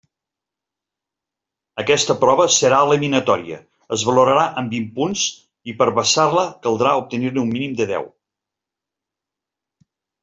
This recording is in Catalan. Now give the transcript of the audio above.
Aquesta prova serà eliminatòria, es valorarà en vint punts i per passar-la caldrà obtenir-ne un mínim de deu.